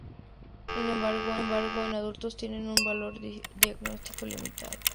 Sin embargo, en adultos tienen un valor diagnóstico limitado.